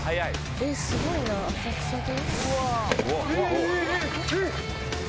すごいな浅草で。